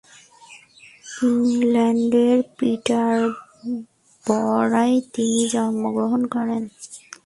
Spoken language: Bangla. ইংল্যান্ডের পিটারবরায় তিনি জন্মগ্রহণ করেন।